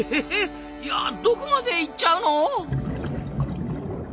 いやどこまで行っちゃうの？